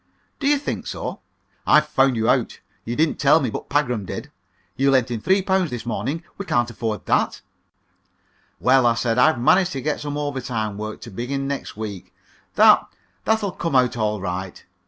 "Do you think so? I've found you out. You didn't tell me, but Pagram did. You lent him three pounds this morning. We can't afford that." "Well, well," I said; "I've managed to get some overtime work, to begin next week. That that'll come out all right.